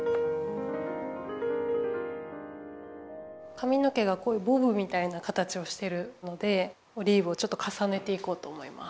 かみの毛がこういうボブみたいな形をしてるのでオリーブをちょっとかさねていこうと思います。